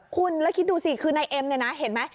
คุณแล้วคิดดูสิคือนายเอ็มเนี่ยนะเห็นไหม